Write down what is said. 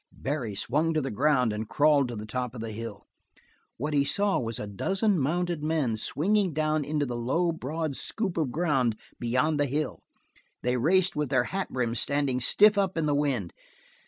Barry swung to the ground and crawled to the top of the hill. What he saw was a dozen mounted men swinging down into the low, broad scoop of ground beyond the hill. They raced with their hatbrims standing stiff up in the wind.